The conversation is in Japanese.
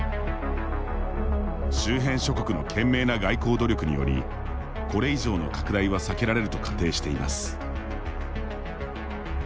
周辺諸国の懸命の外交努力によりこれ以上の拡大は避けられると仮定しています。